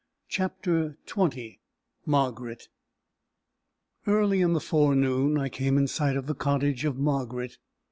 CHAPTER XX Margaret. Early in the forenoon, I came in sight of the cottage of Margaret.